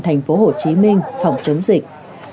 thành phố hồ chí minh phòng chống dịch